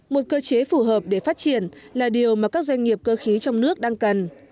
một cơ chế phù hợp để phát triển là điều mà các doanh nghiệp cơ khí trong nước đang cần